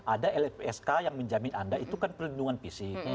ada lpsk yang menjamin anda itu kan perlindungan fisik